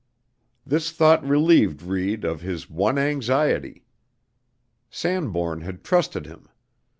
This thought relieved Reid of his one anxiety. Sanbourne had trusted him.